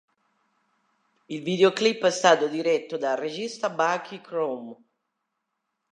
Il videoclip è stato diretto dal regista Bucky Chrome.